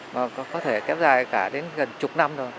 mà có thể kéo dài cả đến gần chục năm rồi